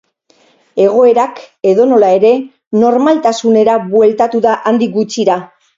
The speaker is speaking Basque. Egoerak, edonola ere, normaltasunera bueltatu da handik gutxira.